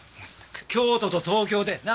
京都と東京でな？